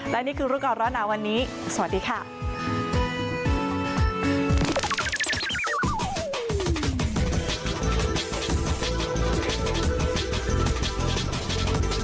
และนี่คือรุกรรมรอดน้ำวันนี้สวัสดีค่ะ